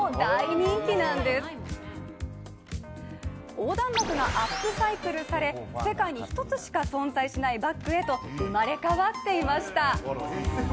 横断幕がアップサイクルされ、世界に１つしか存在しないバッグへと生まれ変わっていました。